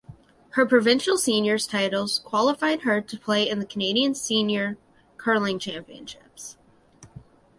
Her provincial seniors titles qualified her to play in the Canadian Senior Curling Championships.